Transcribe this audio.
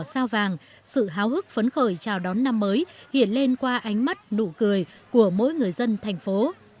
sao vàng sự háo hức phấn khởi chào đón năm mới hiện lên qua ánh mắt nụ cười của mỗi người dân thành phố